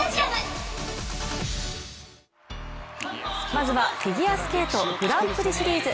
まずはフィギュアスケートグランプリシリーズ。